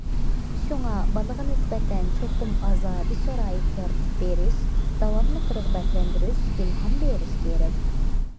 شۇڭا بالىغا نىسبەتەن چوقۇم ئازادە شارائىت يارىتىپ بېرىش، داۋاملىق رىغبەتلەندۈرۈش، ئىلھام بېرىش كېرەك.